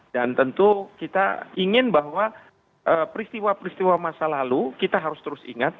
dan tentu kita ingin bahwa peristiwa peristiwa masa lalu kita harus terus ingat